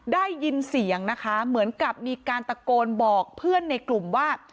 ได้ยินเสียงนะคะเหมือนกับมีการตะโกนบอกเพื่อนในกลุ่มว่า